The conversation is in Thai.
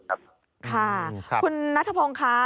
ค่ะคุณนัทพงศ์ค่ะ